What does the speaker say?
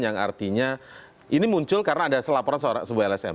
yang artinya ini muncul karena ada selaporan sebuah lsm